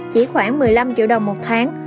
chỉ khoảng một mươi năm triệu đồng một tháng